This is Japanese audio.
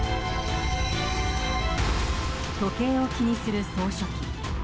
時計を気にする総書記。